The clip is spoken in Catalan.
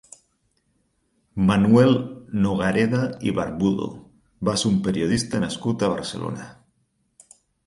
Manuel Nogareda i Barbudo va ser un periodista nascut a Barcelona.